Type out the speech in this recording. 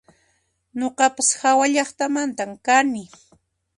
Nuqapas hawallaqtamantan kani